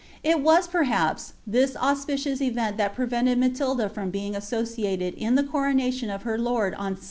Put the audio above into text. h was, perhaps, this auspicious event that prevented Matilda from htin^ asiocialed in the coronation of her lord on Si.